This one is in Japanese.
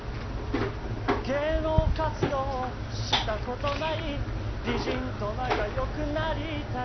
芸能活動したことない美人と仲よくなりたい。